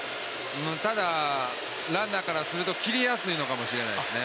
ただランナーからすると切りやすいかもしれないですね。